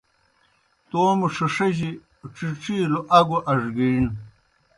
توموْ ݜِݜِجیْ ڇِڇِیلوْ اگوْ اڙگِیݨ۔